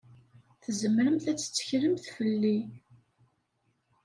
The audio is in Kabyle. Tzemremt ad tetteklemt fell-i.